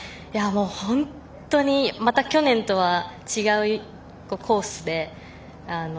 本当にまた去年とは違うコースで。